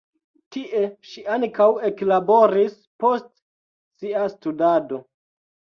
Tie ŝi ankaŭ eklaboris post sia studado.